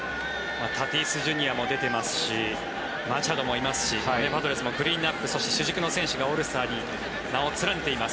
タティスＪｒ．も出ていますしマチャドもいますしパドレスもクリーンアップそして主軸の選手がオールスターに名を連ねています。